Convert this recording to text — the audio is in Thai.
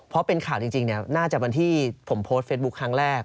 เพราะเป็นข่าวจริงน่าจะวันที่ผมโพสต์เฟซบุ๊คครั้งแรก